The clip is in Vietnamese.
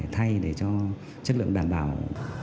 thay để cho chất lượng đảm bảo